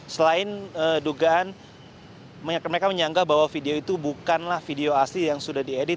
selain dugaan mereka menyanggap bahwa video itu bukanlah video asli yang sudah diedit